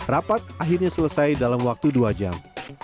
rapat akhirnya selesai dalam waktu dua jam